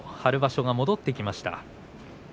春場所、戻ってきました。